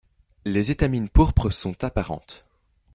Les étamines pourpres sont apparentes.